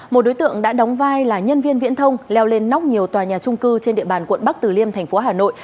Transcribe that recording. một đối tượng đã đóng vai là nhân viên viễn thông leo lên nóc nhiều tòa nhà trung cư trên địa bàn quận bắc tử liêm thành phố hà nội